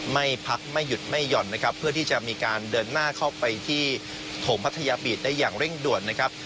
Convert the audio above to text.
ไม่พักไม่หยุดไม่หย่อนนะครับเพื่อที่จะมีการเดินหน้าเข้าไปที่โถงพัทยาบีตได้อย่างเร่งด่วนนะครับ